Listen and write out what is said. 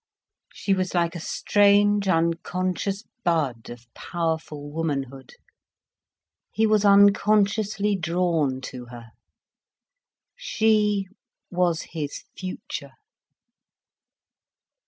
She was like a strange unconscious bud of powerful womanhood. He was unconsciously drawn to her. She was his future.